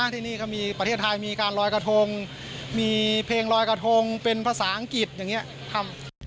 ที่นี่ก็มีประเทศไทยมีการลอยกระทงมีเพลงลอยกระทงเป็นภาษาอังกฤษอย่างนี้ทำ